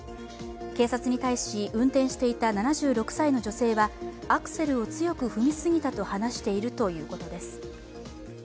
警察に対し運転していた７６歳の女性は、アクセルを強く踏みすぎたと話しているということです。